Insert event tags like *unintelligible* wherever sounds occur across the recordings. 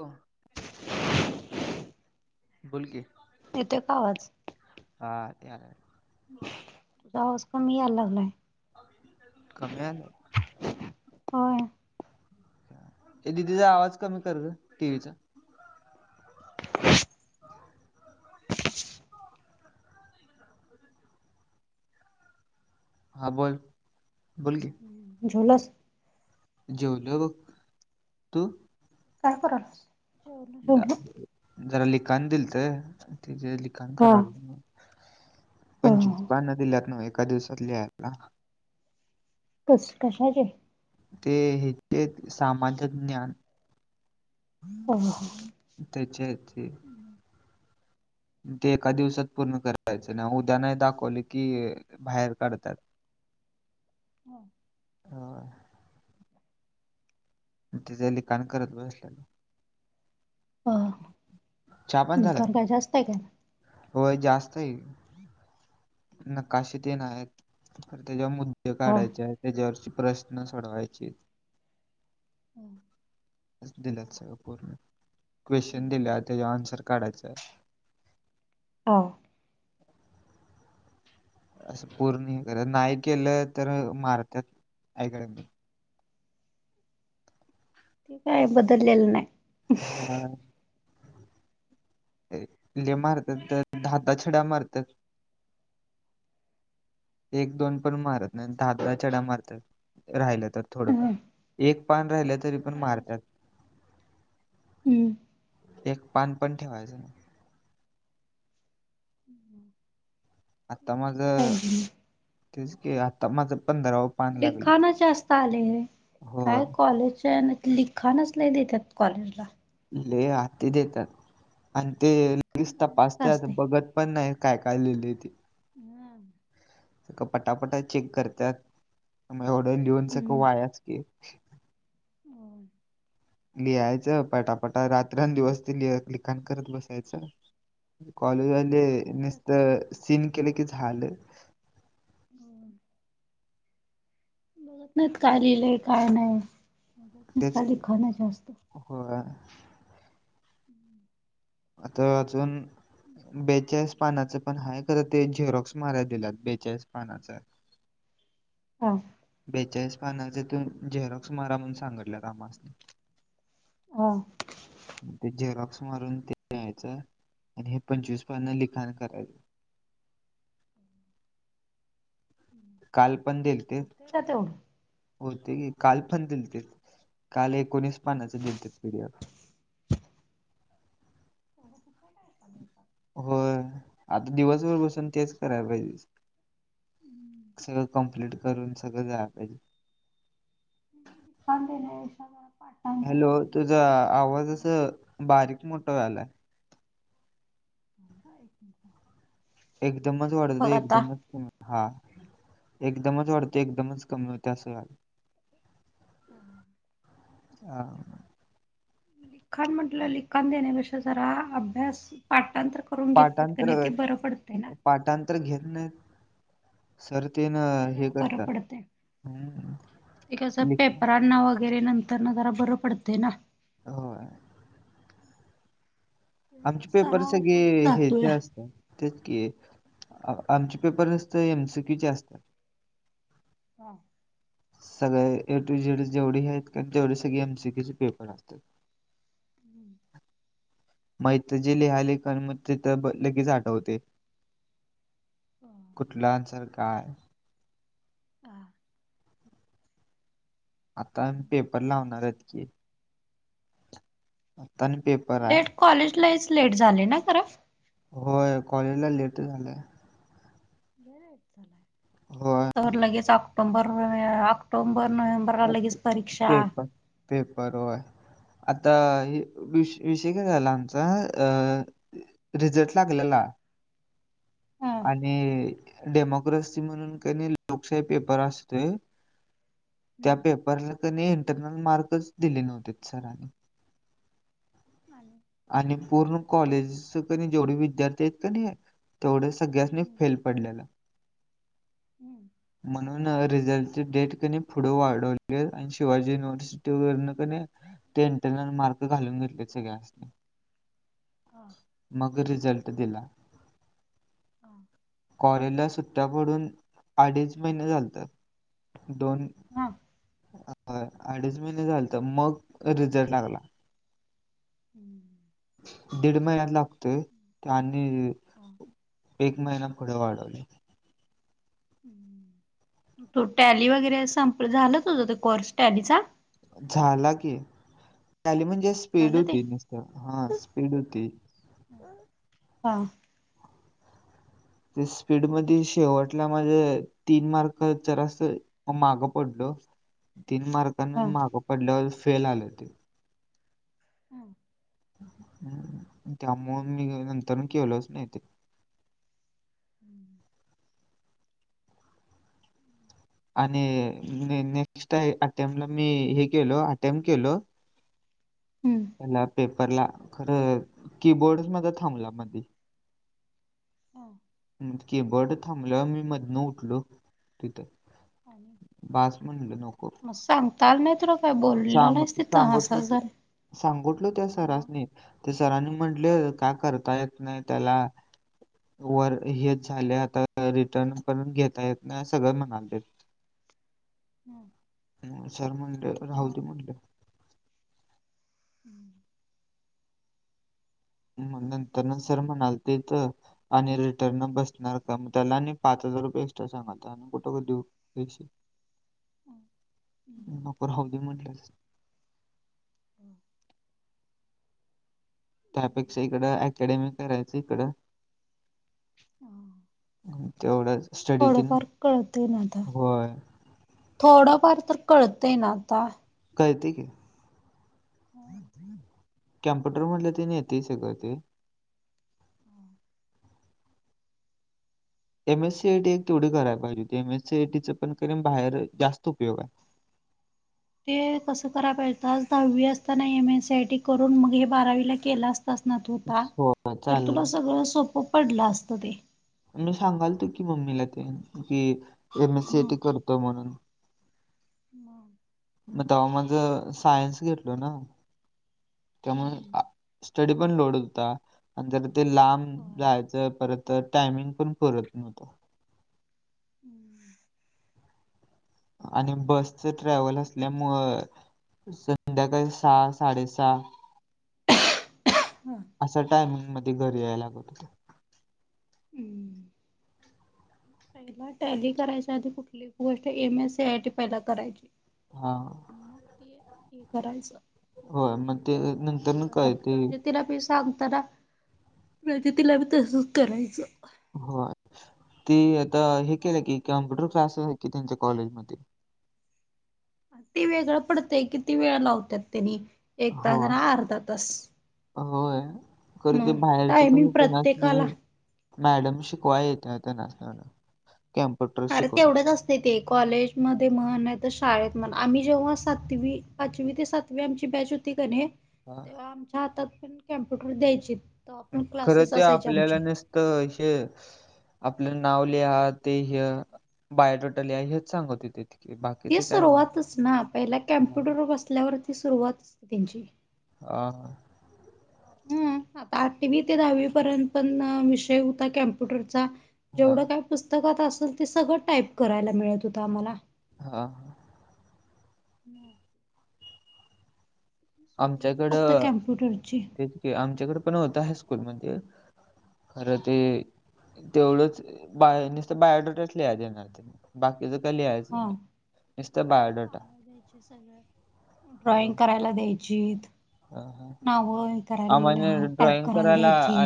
हो. बोलकीे येतेय का आवाज? हा यालय. तुजा आवाज कमी याय लागलाय कमी आला होय ऐ दिदी *unintelligible* आवाज कमी कर टीव्हीचा *inaudible* हा बोल बोल की जेवलास? जेवलो बघ तू काय पूरल? जरा लिखाण दिलत ते जे लिखाण हा. करालोय. अ पंचवीस पान दिल्यात नव एका दिवसात लिहायला. कस कशाचे? ते ते सामाजिक *unintelligible* ज्ञान हो हो तेच्या ते ते एका दिवसात पूर्ण करायचं नाही उद्या नाही दाखवले की बाहेर काढतात. हम. होय तेज लिखाण करत बसल्यात. अ चहा *unintelligible* पाणी झाला लिखाण का? काय जास्त आहे काय होय जास्तय की नकाशे तीन आहेत खर त्याच्यावर मुद्दे हा. काढायचे आहेत त्याच्यावरची प्रश्न सोडवायचेत हम दिल्यात सगळं पूर्ण क्वेश्चन दिल्यात त्याच्या आन्सर काढायचा हो असं पूर्ण हे करत नाही केलं तर मारतात ऐका *unintelligible* नाही ते काय बदललेलं नाही ह ले मारतात तर ता छड्या मारतात. एक दोन पण मारत नाही दहा दहा चडा मारतात राहिल्या तर थोडंफ ह. एक पान राहिलं तरी पण करायलाच मारत्यात हम्म एक पान पण ठेवायचं ह *inaudible* आता माझ तेच की आता माझं पंधराव लिखाणच जास्त आले हे होय. काय कॉलेजच्या *unintelligible* खाणंच नाही देतत कॉलेजला ले हाती देतात आणि ते लिखाण लगेच काय ना काय तपासत असतय. बघत. पण नाही काय काय लिहिली ती हम्म. सग पटापटा चेक करतात मग ऑर्डर लिहून सं वायास की हो. लिहायचं पटापटा रात्रंदिवस ते लिह लिखाण करत बसायचं. कॉलेजवाले लिखाणाच नसत असत सीन केलं की झालं. हो. बघत नाहीत काय लिहिलंय काय नाहीसता लि खाना जास्त हो. आता अजून बेचाळीस पानाचं पण आहे करं ते झेरॉक्स माराला दिलात बेचाळीस पानाचा हा. बेचाळीस पानाचे तून झेरॉक्स मारा म्हणून सांगडलं रामासने हा. ते जेरॉक्स मारून तेयचं. आणि हे पंचवीस पन् लिखाण करायचं. काल पण देल ते होते का तेवढं होते गी काल पण दिलते काल एकोणीस पानाच दिलते पिडि त कुठल्या टय दिवसात हो आता दिवसभर बसून तेच करायला पाहिजे. सगळं कंप्लीट करून सगळं जायला पाहिजे. लिखाण देण्यापेक्षा जरा पाठांतर हॅलो वगैरे तुझा करून घेतलंत आवाज अस. ना बारीक मोठ झालाय. ब एक. एकदमच वाढत बघ आता एकदमच तुम्? हा एकदमच वाढते एकदमच कमी होते असंल. ह. हा. खणमंडल ल कंदेने बेष सरा अभ्यास पाठांंत्र करून घेतले का नाही ते बरं पडतं ना. तर घेत नाही सरतेन ते हे जरा बरं करत. पडतंय ते कसं पेपरांना वगैरे नंतर ना जरा बरं पडते ना. होय. आमचे पेपर सराव होत सगळे ह्याचे जातोया असतात. तेच कि आमचे पेपर नसत एमसीक्यूचे असतात. हा. सगळे ए टू जेड जेवढी आहेत का तेवढी सगळे एम सीकी चे पेपर असतात. हम्म. मैत जे लिहाले क मग तिथ लगेच आठवते. कुठला आसार काय? हां. आता पेपर लावणार प्रगतीच आहेत की, आता पेप लेट कॉलेजलाहीच लेट झाले ना खरां होय कॉलेजला लेट झालंय. होय तर लगेच ऑक्टोबर ऑक्टोबर नो्हे. बर लगीच परीक्षा पेपर पेपर आता य झालं आमचा अ रिझल्ट लागलेला. ह आणि डेमोक्रोसी म्हणून का नाही लोकशाही पेपर असतोय. त्या हम्म पेपरला क इंटरनल मार्कच दिले नव्हते सरांनी ह *unintelligible* आणि पूर्ण कॉलेज क जेवढे विद्यार्थी आहेत का नाही तेवढच सगळ हम्म फेल पडलेला हम्म म्हण प रिझल्टची डेट कनी वाढवली आणि शिवाजी युनिवर्सि तेण क ते इंटरनल मार्क घालून घेतले सगळे हा मग रिझल्ट दिला. ह *unintelligible* कॉलेजला सुट्या पडून अडीच महिने झालतं. दोन हा ह अडीच महिने झालतं मग रिझल्ट लागला. हं *unintelligible* दीड महिन्यात लागतोय आणि हा एक महिना पुढे वाढवली. तो टॅली वगैरे संप झालंच होतं कोर्स टॅलीचा झाला की टॅली म्हणजे स्पीड झालं ते होती नुसत हा स्पीड होती. हा ते स्पीड मध्ये शेवट तीन मार्क माग पडलो तीन मार्क हा मागं पडल्यावर फेल आले ते. हां हं त्यामुळे मी नंतर केलोच नाही ते हं आणि नेक्स्ट अटेमपला मी हे केलो अटेम्प केलो. हं त्याला पेपरला खरं हा कीबोर्ड मध्ये थांबला मधी हा कीबोर्ड थांबलं मी मधनं उठलो. तिथं आणि बास म्हणलं नको मग सांगता आलं नाही तुला काय बोललेला सांग नाहीस तिथं सांगतलो असंच की झालं. सांगितलो त्या मग सरांनी ते सरांनी म्हटले का करता येत नाही त्याला वर हेच झाले आता रिटर्न पण घेता येत नाही सगळं म्हणाले, हं सर म्हणले राहुदी म्हणले हं *unintelligible* मग नंतर न सर म्हणाल तेच आणि रिटर्न बसणार का मग त्याला आणि पाच हजार रुपये एक्ट्रा सांगतात प *unintelligible* टोक देऊ नको राहु दे म्हटलं त्यापेक्षा इकडं अकॅडमी करायचं इकडं तेवढं स्टडी तेन थोडंफार कळतय ना आता होय, थोडंफार तर कळतंय ना आता कळते की कॅम्प्युटर मधलं ते येते सगळं ते M S C I T एक तेवढी करायला पाहिजे एम एस सीटी पण बाहेर जास्त उपयोग आहे. ते कसं करायला पाहिजे होतास दहावी असताना एम एसआय टी करून मग हे बारावी केलं असता *unintelligible* ना होता हो तर चालला. तुला सगळं सोपं पडलं असतं ते मी सांगालतो की मम्मीला ते कि एम एस सी टी करतो म्हणून मग मग तेव्हा माझ सायन्स घेतल ना त्यामुळे स्टडी ण लोड होता आणि ज ते लांब जायच परत तर टायमिंग पण परत नव्हतो. हम्म. आणि बसच ट्रॅव्हल असल्यामुळ संध्याकाळी सहा साडेसहा. असा टायमिंग मध्ये घरी यायला लागत होते. हम्म. पहिला टॅली करायच्या आधी कुठली गोष्ट M S C I T पहि करायची. हा हा. मग ते हे करायचं. होय मग ते नंतर कळते. प्रजतीला बी सांगताना प्रजतीला बी तसच करायचं. हो ते आता हे केलं की कम्प्युटर क्लासेस आहे की त्यांच्या कॉलेजमध्ये. ती वेगळं पडते किती वेळ लावतात त्यांनी एक हो. तास आणि अर्धा तास. होय कधी ते मग बाहेरची पण टायमिंग केलाच प्रत्येकाला नाही. मॅडम शिकवा येत त्या नाचताला. कॅप्यूटर. अरे तेवढंच असं यथे कॉलेजमध्येध्ये म्हण आहे तर शाळेत म्हण आम्ही जेव्हा सातवी पाचवी ते सातवी आमची बॅच हां. तेव्हा आमच्या हातात पण कॅम्प्युटर द्यायचे. पण खरं क्लासेस ते असायचे आमचे आपल्याला नसत हेे आपलं नाव लिहा ते ह बायोटोट लिहा हेच सांगत होतीत. ती सुरुवातच ना पहिला हां कम्प्युटर बसल्यावरती सुरुवातचते त्यांची आ हा. हा आता आठवी ते दहावी पर्यंत पण विषय होता कॉम्प्युटरचा. हां हां, जेवढं काय पुस्तकात असेल ते सगळं टाईप करायला मिळत होतं आम्हाला हा. ह सुरुवात फक्त आमच्याकडं कॅम्प्युटरची ते क आमच्याकडे पण होत हायकूल मध्ये खरं ते हा तेवढंच बाय नुसतं बायोडटच लिहाय देणार ते बाकीचं का लिहायचं नाही. नुसतं बायोडाटा. ्या सग होय. ड्रॉइंग करायला द्यायची. हां, हां. नाव हे करायल आम्हाला टईप करायला द्यायची.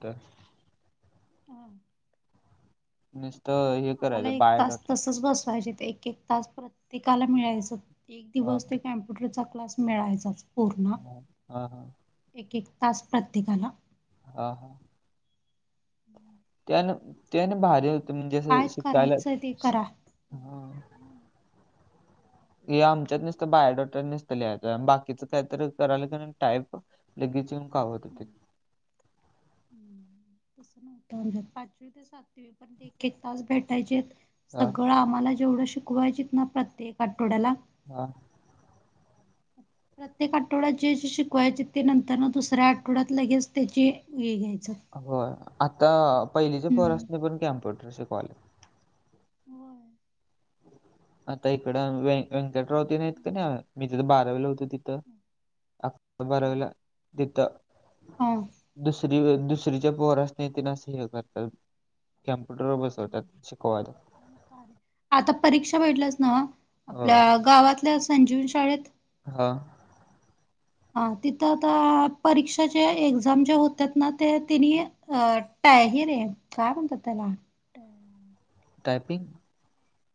तर हा. नसत हे आम्हाला करायचं एक तास बायोडाटा. तसच बसवायजे ते एक एक तास प्रत्येकाला मिळायचं एक हा दिवस हा ते कॉम्प्युटरचा क्लास मिळायचाच. पूर्ण हा हा एक एक तास प्रत्येकाला. हा हा. त्यान त्याने भारी म्हणजे असं काय शिकायला करायचं ते करा. हा. हे आमच्यात नुसतं बायोडेटाच नुसत लिहायच आहे बाकीचं काहीतरी करायला टाईप. लगेच येवून कावत होतीत. *inaudible* तस नव्हत पाचवी ते सातवी पण एक एक तास भेटायचे. हा सगळं आम्हाला जेवढं शिकवायची ना प्रत्येक आठवड्याला. हा. प्रत्येक आठवड्यात जे जे शिकवायचे ते नंतर दुसऱ्या आठवड्यात लगेच त्याचे हे घ्यायचं. हो आता पहिलीचे फर्स हम्म. नाही पण कॅम्प्युटर शिकवाले. होय. आता इकडं व्यंकटरावतेन आहेत की नाही मी तिथ बारावीला होतो तिथ अक -बारावीला तिथ. हा. दुसरी- दुसरीच्या पोरासनी तेन अस हे करत्यात. कॅम्प्युटर वर बसवतात शिकवायला. *unintelligible* आता परीक्षा बघिटलास नव्ह होय आपल्या गावातल्या संजीवनी शाळेत. हा. हा तिथं आता परीक्षाच्या एक्झाम ज्या होत्याात ना ते तेनी, अ टा हि रे, काय म्हणतात त्याला? टायपिंग.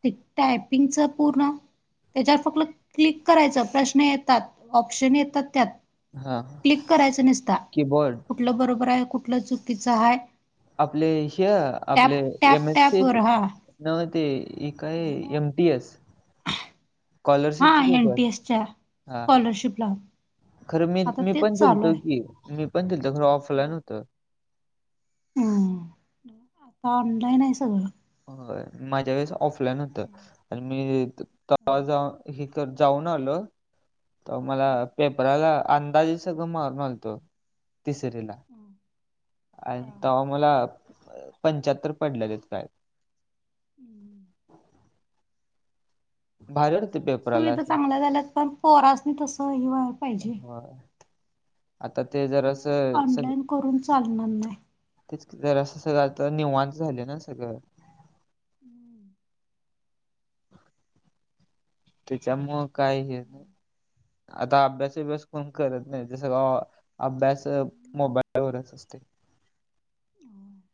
ते टायपिंगचं पूर्ण. त्याच्यावर फक्त क्लिक करायचं प्रश्न येतात ऑप्शन येतात त्यात. हा क्लिक करायचं निसता कीबोर्ड कुठलं बरोबर आहे, कुठलं चुकीचं आहे. आपले हे आपले एम एस टॅपवर स हां. नव्ह ते इ काय नाही नाही. M T S. स्कॉलरशिपचे हां, एन पेपर, टी एसच्या हा. स्कॉलरशिपला. खरं मी आता -मी तेच पण चालू दिलतो आहे. की मी पण दिलतो खरं ऑफलाईन होत. हम्म आता ऑनलाईन हाय सगळं. होय, माझ्या वेळेस ऑफलाईन होतं. आणि मी- तवा जावून ही तर जाऊन आलो तवा मला पेपराला अंदाजच च मारून आलतो, तिसरीला. आणि तव्हा मला पंच्याहत्तर पडल्यालीत काय. *unintelligible* भारी होते पेपराला सुविधा असं चांगल्या झाल्यात पण पोरासनी तस हे व्हाय पाहिजे. होय. आता ते जरास सगळ्याच स ऑनलाईन करून चालणार नाही. तेच की जरास सगळं आता निवांत झालंय ना सगळं. हम्म *inaudible* तेच्यामुळ काय हे नाही, आता अभ्यास- बिभ्यास कोण करत नाही. अभ्यास मोबाईलवरच असतोय. *unintelligible*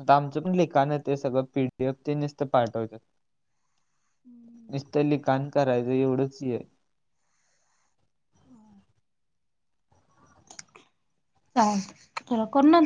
आता आमचं पण लिखाण ते सगळं पीटीएफ ते निसत पाठवत्यात. हम्म. नुसत लिखाण करायच एवढंच य. होय. चा चला करुन *unintelligible*